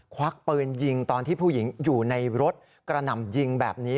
ควักปืนยิงตอนที่ผู้หญิงอยู่ในรถกระหน่ำยิงแบบนี้